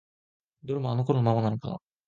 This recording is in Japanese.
どれもあの頃のままなのかな？